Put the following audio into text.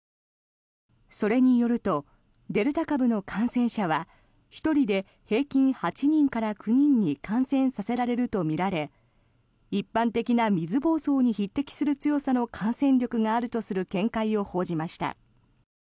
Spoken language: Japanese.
それによるとデルタ株の感染者は１人で平均８人から９人に感染させられるとみられ一般的な水ぼうそうに匹敵する強さの感染力があるとする見解を報じました。